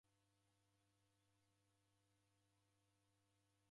Maghi ghabarika